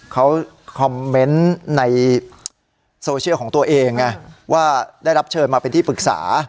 เขาคอมเมนต์ในโซเชียลของตัวเองไงว่าได้รับเชิญมาเป็นที่ปรึกษา